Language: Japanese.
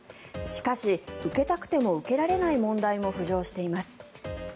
しかし受けたくても受けられない問題も浮上しています。